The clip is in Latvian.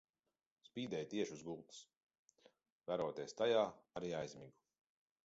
Spīdēja tieši uz gultas. Veroties tajā arī aizmigu.